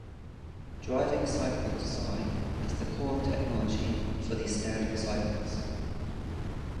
Driving cycle design is the core technology for these standard cycles.